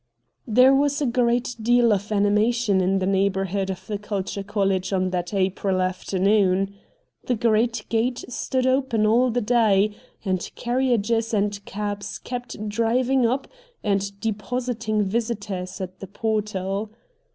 There was a great deal of animation in the neighbourhood of the Culture College on that April afternoon. The great gate stood open all the day, and carriages and cabs kept driving up and depositing visitors at the portal.